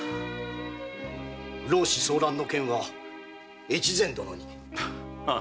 浪士騒乱の件は越前殿に。